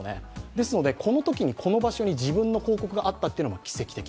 ですのでこのときにこの場所に自分の広告があったというのが奇跡的。